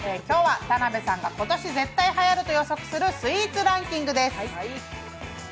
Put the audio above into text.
今日は田辺さんが今年絶対はやると予測するスイーツランキングです。